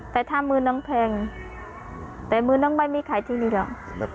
แต่ถ้ามือน้องแพงแต่มือน้องใบไม่ขายที่นี่หรอก